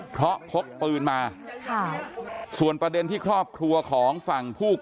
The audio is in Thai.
เพราะพกปืนมา